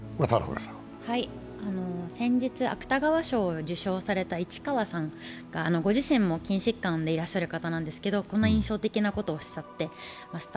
先日、芥川賞を受賞された市川さん、ご自身も筋疾患でいらっしゃる方なんですけど印象深いことをおっしゃってました。